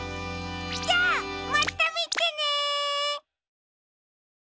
じゃあまたみてね！